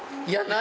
何？